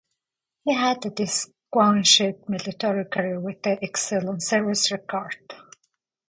He had a distinguished military career with an excellent service record.